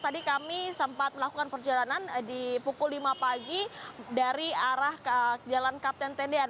tadi kami sempat melakukan perjalanan di pukul lima pagi dari arah jalan kapten tendian